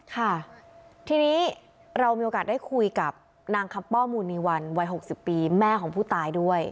ค่ะทีนี้เรามีโอกาสได้คุยกับนางคำป้อมูนีวันวัย๖๐ปีแม่ของผู้ตายด้วย